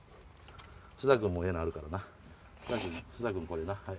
菅田君もええのあるからな菅田君これな。